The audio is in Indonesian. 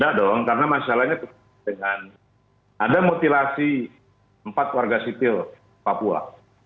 tidak dong karena masalahnya dengan ada mutilasi empat warga sipil papua